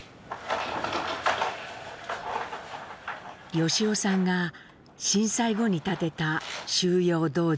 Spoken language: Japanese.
由夫さんが震災後に建てた「舟要洞場」。